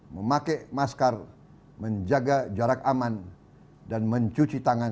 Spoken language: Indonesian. memakai masker menjaga jarak aman dan mencuci tangan